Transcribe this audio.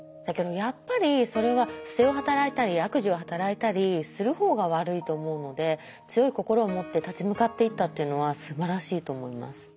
だけどやっぱりそれは不正を働いたり悪事を働いたりする方が悪いと思うので強い心を持って立ち向かっていったっていうのはすばらしいと思います。